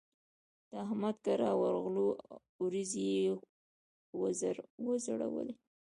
د احمد کره ورغلوو؛ وريځې يې وځړولې.